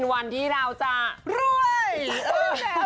วันที่เราจะรวย